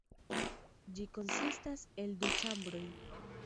Ĝi konsistas el du ĉambroj.